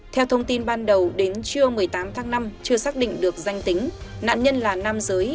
theo thông tin ban đầu đến trưa một mươi tám tháng năm chưa xác định được danh tính nạn nhân là nam giới